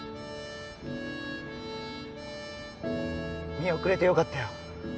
見送れてよかったよ